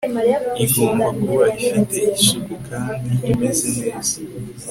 igomba kuba ifite isuku kandi imeze neza